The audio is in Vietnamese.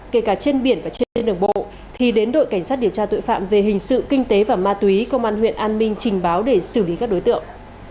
kể cả trên biển và trên đường bộ thì đến đội cảnh sát điều tra tội phạm về hình sự kinh tế và ma túy công an huyện an minh trình báo để xử lý các đối tượng